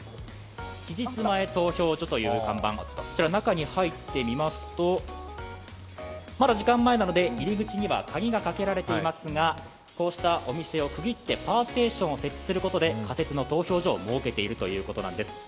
期日前投票所という看板、こちら中に入ってみますとまだ時間前なので入り口には鍵がかけられていますがこうしたお店を区切ってパーテーションを設置することで仮設の投票所を設けているということなんです。